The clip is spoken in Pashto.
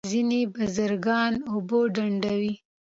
ځینې بزګران اوبه ډنډوي.